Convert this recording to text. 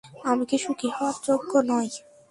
আমি কি সুখী হওয়ার যোগ্য নই?